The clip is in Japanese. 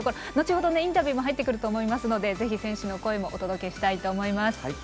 後ほど、インタビューも入ってくると思いますのでぜひ、選手の声もお届けしたいと思います。